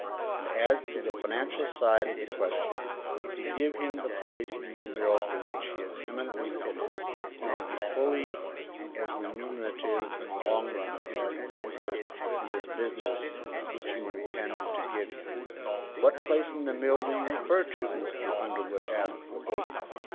And as to the financial side of the question, if you give him the place in your mill for which he is eminently fitted, it will be fully as remunerative in the long run as the interest in the business which you intended giving him." "What place in the mill do you refer to?" Mr. Underwood asked, quickly.